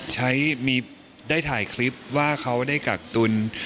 ใช้มีได้ถ่ายคลิปว่าเขาได้กักตุล